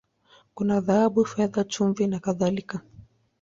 Kuna dhahabu, fedha, chumvi, na kadhalika.